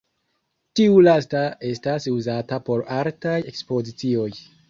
Tiu lasta estas uzata por artaj ekspozicioj.